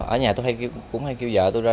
ở nhà tôi cũng hay kêu vợ tôi ra